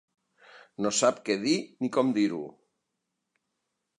No sap què dir ni com dirho.